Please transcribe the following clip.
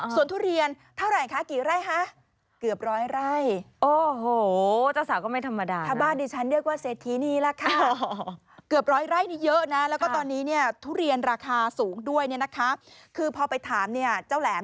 สวนทุเรียนเท่าไรคะกี่ไร่ฮะ